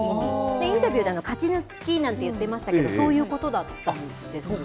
インタビューでは勝ち抜きなんて言ってましたけれども、そういうことだったんですよね。